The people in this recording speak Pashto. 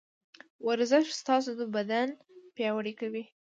ورزش ستاسو بدن پياوړی کوي.